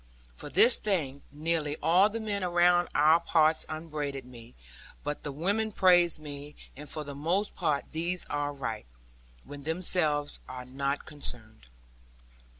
For this thing, nearly all the men around our parts upbraided me; but the women praised me: and for the most part these are right, when themselves are not concerned.